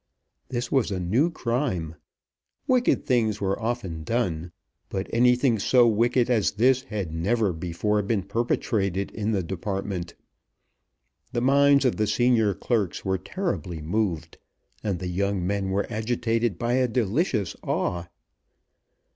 This was a new crime. Wicked things were often done, but anything so wicked as this had never before been perpetrated in the Department. The minds of the senior clerks were terribly moved, and the young men were agitated by a delicious awe.